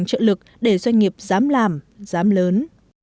chúng ta cần trợ lực để doanh nghiệp dám làm dám lớn